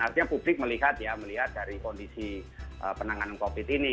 artinya publik melihat ya melihat dari kondisi penanganan covid ini